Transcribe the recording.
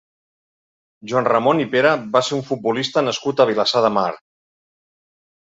Joan Ramon i Pera va ser un futbolista nascut a Vilassar de Mar.